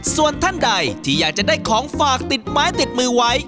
ส่วนท่านใดที่อยากจะได้ของฝากติดไม้ติดมือไว้